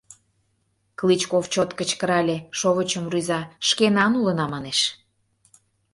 Клычков чот кычкырале, шовычым рӱза, «шкенан улына» манеш.